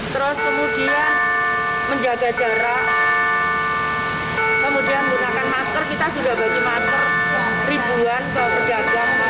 terus kemudian menjaga jarak kemudian menggunakan masker kita sudah bagi masker ribuan ke pedagang